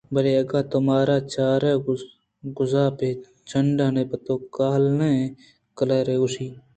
بلے اگاں تو منارا چرے گزا ءَ بہ چَڈائینے پتو کلّانہیں کائیگرے کُشاں